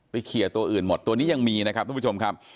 เคลียร์ตัวอื่นหมดตัวนี้ยังมีนะครับทุกผู้ชมครับ